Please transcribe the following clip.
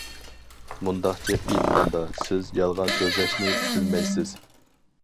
مۇنداقچە ئېيتقاندا، سىز يالغان سۆزلەشنى بىلمەيسىز.